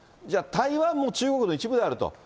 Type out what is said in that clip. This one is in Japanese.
じゃあ、台湾も中国の一部であると。